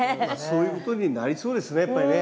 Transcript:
そういうことになりそうですねやっぱりね。